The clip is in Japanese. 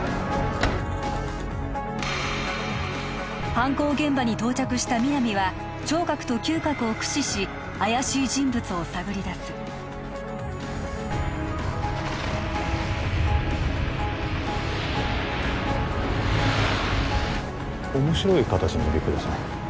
犯行現場に到着した皆実は聴覚と嗅覚を駆使し怪しい人物を探り出す面白い形のリュックですね